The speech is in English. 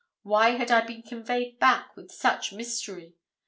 Why had I been conveyed back with such mystery?